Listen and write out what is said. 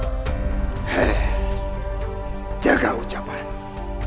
hei jaga ucapanmu